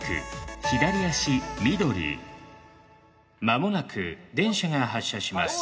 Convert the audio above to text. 間もなく電車が発車します。